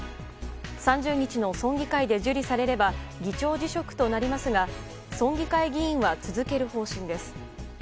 ３０日の村議会で受理されれば議長辞職となりますが村議会議員は続ける方針です。